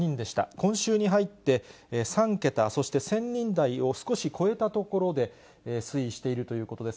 今週に入って３桁、そして１０００人台を少し超えたところで推移しているということです。